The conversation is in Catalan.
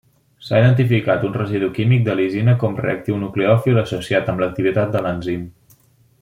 S'ha identificat un residu químic de lisina com reactiu nucleòfil associat amb l'activitat de l'enzim.